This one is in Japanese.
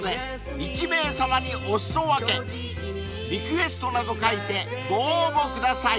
［リクエストなど書いてご応募ください］